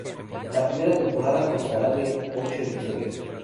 La primera temporada constará de ocho episodios.